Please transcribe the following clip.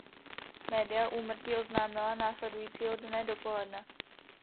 Média úmrtí oznámila následujícího dne dopoledne.